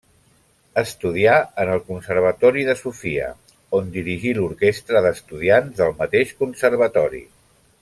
Estudià en el Conservatori de Sofia, on dirigí l'orquestra d'estudiants del mateix conservatori.